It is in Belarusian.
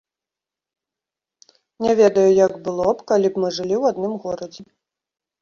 Не ведаю, як было б, калі б мы жылі ў адным горадзе.